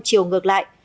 chiều ngược lại